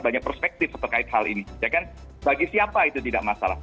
banyak perspektif terkait hal ini bagi siapa itu tidak masalah